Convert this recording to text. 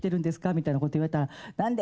みたいなこと言われたら何で！